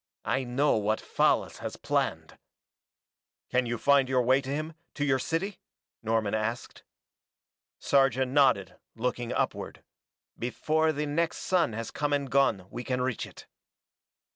I know what Fallas has planned." "Can you find your way to him to your city?" Norman asked. Sarja nodded, looking upward. "Before the next sun has come and gone we can reach it."